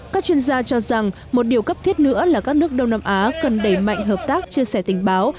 các chuyên gia cho rằng một điều cấp thiết nữa là các nước đông nam á cần đẩy mạnh hợp tác chia sẻ tình báo